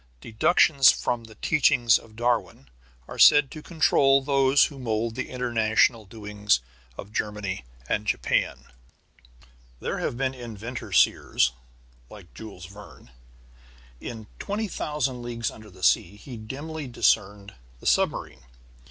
Deductions from the teachings of Darwin are said to control those who mould the international doings of Germany and Japan. There have been inventor seers like Jules Verne. In Twenty Thousand Leagues under the Sea he dimly discerned the submarine.